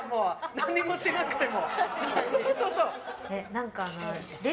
何もしなくても。